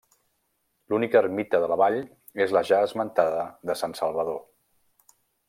L'única ermita de la vall és la ja esmentada de sant Salvador.